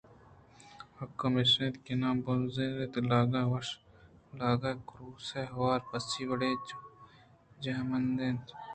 حقّ ہمیش اِنت نا بِز انت ءِ لاگ ءِہوش لاگے ءُ کُروسے ہور پسی واڑے ءَ جہمنند یتنت